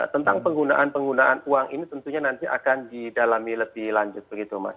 tentang penggunaan penggunaan uang ini tentunya nanti akan didalami lebih lanjut begitu mas